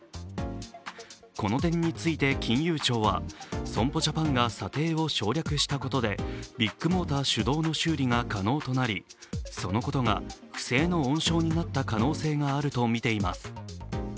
この点について金融庁は損保ジャパンが査定を省略したことでビッグモーター主導の修理が可能となりそのことが不正の温床になった可能性があるとみています。